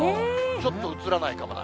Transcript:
ちょっと映らないかもな。